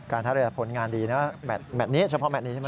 ท่าเรือผลงานดีนะแมทนี้เฉพาะแมทนี้ใช่ไหม